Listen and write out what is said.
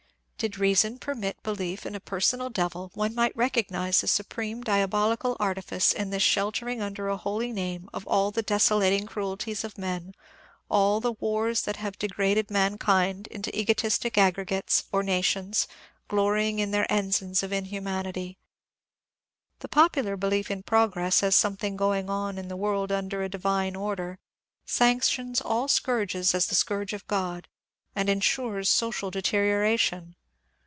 Did reason permit belief in a personal devil, one might 463 MONCURE DANIEL CONWAY recognize the sapreme diabolical artifice in this sheltering under a holy name of all the desolating cruelties of men, all the wars that have degraded mankind into egoistic aggregates, or nations, glorying in their ensigns of inhumanity. The popular belief in ^^ progress," as something going on in the world under a divine order, sanctions all sooui^ges as the scourges of God, and insures social deterioration.